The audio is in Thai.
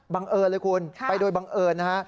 บังเอิญเลยคุณไปโดยบังเอิญนะฮะ